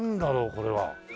これは。